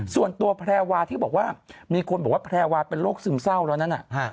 แพรวาที่บอกว่ามีคนบอกว่าแพรวาเป็นโรคซึมเศร้าแล้วนั้น